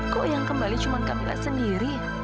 kok yang kembali cuma kamilah sendiri